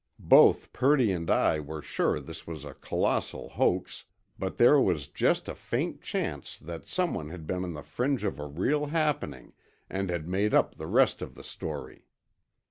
Both Purdy and I were sure this was a colossal hoax, but there was just a faint chance that someone had been on the fringe of a real happening and had made up the rest of the story.